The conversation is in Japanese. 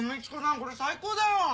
これ最高だよ。